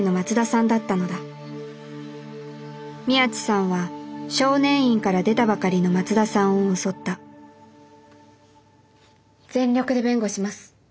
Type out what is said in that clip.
宮地さんは少年院から出たばかりの松田さんを襲った全力で弁護します。